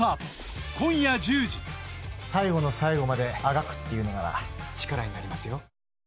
最後の最後まであがくというなら力になりますよ。